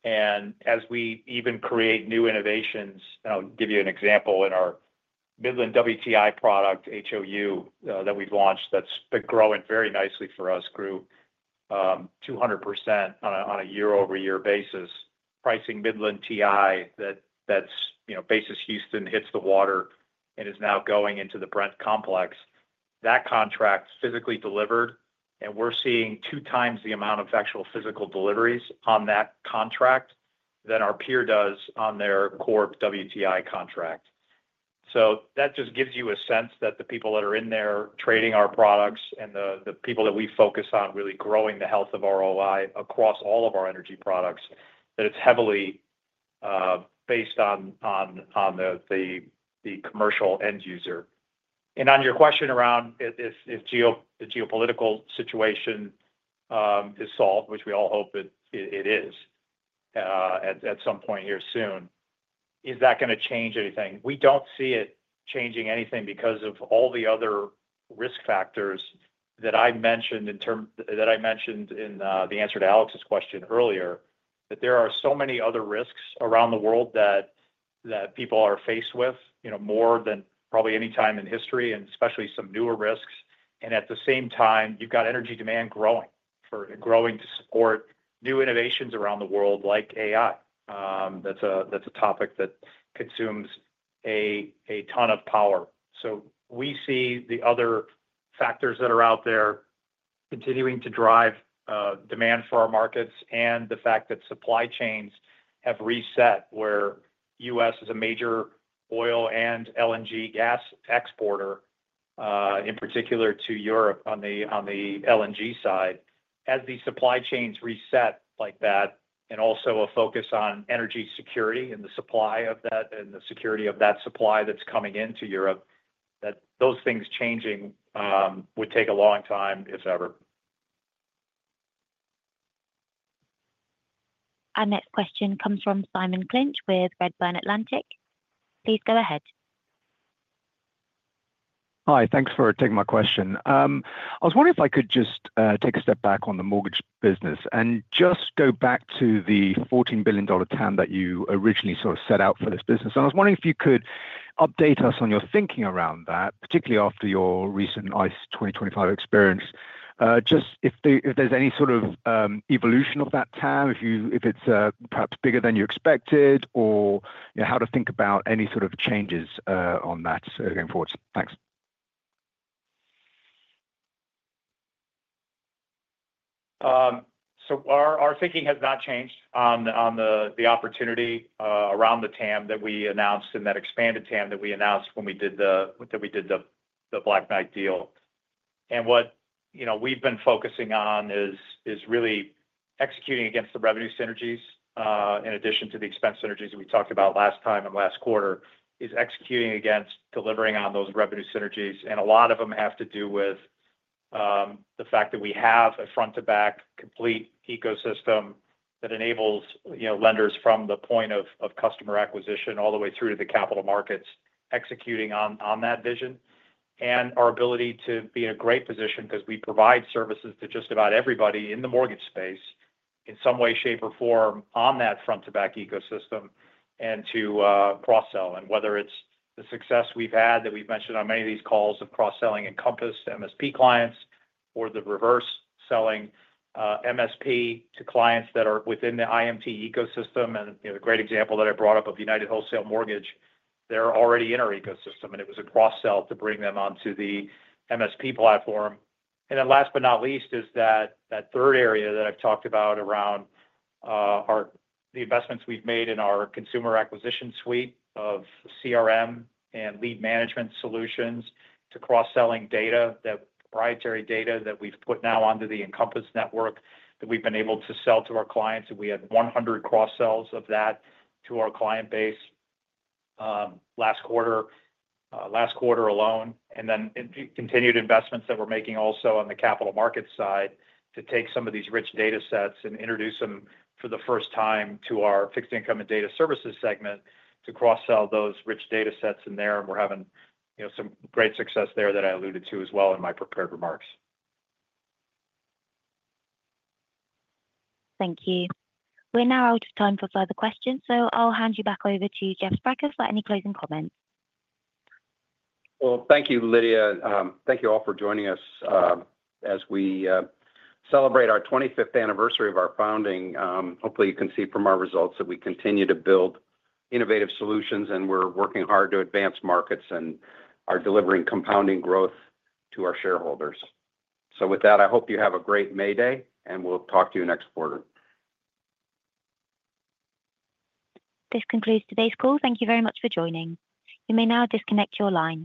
Speaker 4: And as we even create new innovations, I'll give you an example in our Midland WTI product, HOU, that we've launched that's been growing very nicely for us, grew 200% on a year-over-year basis. Pricing Midland WTI that's basis Houston hits the water and is now going into the Brent complex. That contract is physically delivered, and we're seeing two times the amount of actual physical deliveries on that contract than our peer does on their core WTI contract. So that just gives you a sense that the people that are in there trading our products and the people that we focus on really growing the health of our OI across all of our energy products, that it's heavily based on on on the the commercial end user. And on your question around if if the geopolitical situation is solved, which we all hope it is at some point here soon, is that going to change anything? We do not see it changing anything because of all the other risk factors that I mentioned in terms that I mentioned in the answer to Alex's question earlier, that there are so many other risks around the world that that people are faced with more than probably any time in history, and especially some newer risks. And at the same time, you have got energy demand growing to support new innovations around the world like AI. That's a that's a topic that consumes a a ton of power. So we see the other factors that are out there continuing to drive demand for our markets and the fact that supply chains have reset where the U.S. is a major oil and LNG gas exporter, in particular to Europe on the on the LNG side. As the supply chains reset like that and also a focus on energy security and the supply of that and the security of that supply that's coming into Europe, those things changing would take a long time, if ever.
Speaker 1: Our next question comes from Simon Clinch with Redburn Atlantic. Please go ahead.
Speaker 17: Hi, thanks for taking my question. I was wondering if I could just take a step back on the mortgage business and just go back to the $14 billion TAM that you originally sort of set out for this business. I was wondering if you could update us on your thinking around that, particularly after your recent ICE 2025 experience, just if there's if there's any sort of evolution of that TAM, if it's perhaps bigger than you expected, or how to think about any sort of changes on that going forward. Thanks.
Speaker 4: So far our thinking has not changed on on the opportunity around the TAM that we announced and that expanded TAM that we announced when we did when we did the Black Knight deal. And what you know we've been focusing on is is really executing against the revenue synergies in addition to the expense synergies we talked about last time and last quarter, is executing against delivering on those revenue synergies. And a lot of them have to do with the fact that we have a front-to-back complete ecosystem that enables lenders from the point of customer acquisition all the way through to the capital markets executing on on that vision. And our ability to be in a great position because we provide services to just about everybody in the mortgage space in some way, shape, or form on that front-to-back ecosystem and to cross-sell. And whether it's the success we've had that we've mentioned on many of these calls of cross-selling Encompass to MSP clients or the reverse selling MSP to clients that are within the IMT ecosystem. And the great example that I brought up of United Wholesale Mortgage, they're already in our ecosystem, and it was a cross-sell to bring them onto the MSP platform. And last but not least is that third area that I've talked about around the investments we've made in our consumer acquisition suite of CRM and lead management solutions to cross-selling data, that proprietary data that we've put now onto the Encompass network that we've been able to sell to our clients. We had 100 cross-sells of that to our client base last quarter last quarter alone. And then the continued investments that we're making also on the capital market side to take some of these rich data sets and introduce them for the first time to our fixed income and data services segment to cross-sell those rich data sets in there. We're having you know some great success there that I alluded to as well in my prepared remarks.
Speaker 1: Thank you. We're now out of time for further questions, so I'll hand you back over to Jeff Sprecher for any closing comments.
Speaker 5: Well thank you, Lydia. Thank you all for joining us as we celebrate our 25th anniversary of our founding. Hopefully, you can see from our results that we continue to build innovative solutions, and we're working hard to advance markets and are delivering compounding growth to our shareholders. So with that, I hope you have a great May day, and we'll talk to you next quarter.
Speaker 1: This concludes today's call. Thank you very much for joining. You may now disconnect your line.